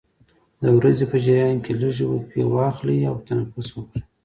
د ورځې په جریان کې لږې وقفې واخلئ او تنفس وکړئ.